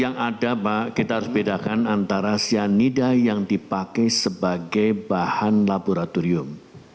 yang ada pak kita harus bedakan antara cyanida yang dipakai sebagai bahan laboratorium